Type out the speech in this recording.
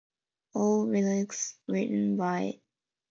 All lyrics written by Nicky Wire; except where indicated.